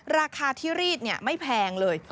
ราคาที่รีดไม่แพงเลย